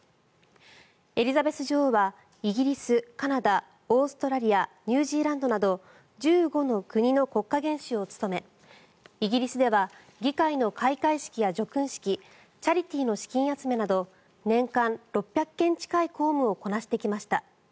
エリザベス女王はイギリスカナダ、オーストラリアニュージーランドなど１５の国の国家元首を務めイギリスでは議会の開会式や叙勲式チャリティーの資金集めなど年間６００件近い公務をこなしてきました。